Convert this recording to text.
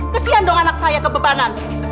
kesian dong anak saya kebebanan